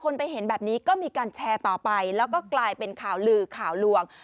แล้วก็กลายเป็นข่าวลือข่าวล่วง